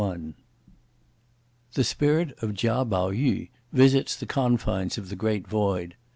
CHAPTER V. The spirit of Chia Pao yü visits the confines of the Great Void.